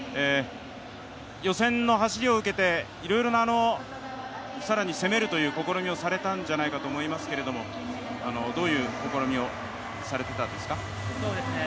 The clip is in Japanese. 予選の走りを受けて更に攻めるという試みをされたんじゃないかと思いますけどどういう試みをされてたんですか。